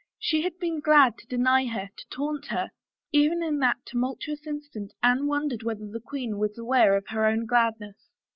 She had been glad to deny her, to taunt her. Even in that tumultuous instant Anne wondered whether the queen was aware of her own gladness.